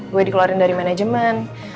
gue dikeluarin dari manajemen